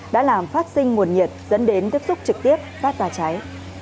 đã làm phát sinh nguồn nhiệt dẫn đến tiếp xúc trực tiếp phát ra cháy